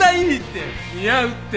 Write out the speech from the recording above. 似合うって。